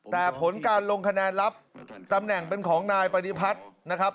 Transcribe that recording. แต่ผลการลงคะแนนรับตำแหน่งเป็นของนายปฏิพัฒน์นะครับ